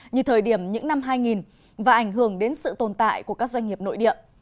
như thời điểm những năm hai nghìn và ảnh hưởng đến sự tồn tại của các doanh nghiệp nội địa